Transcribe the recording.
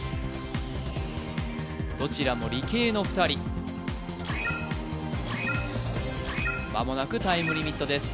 どちらも理系の２人まもなくタイムリミットです